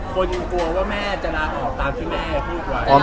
คนกลัวว่าแม่จะลาออกตามที่แม่พูดไว้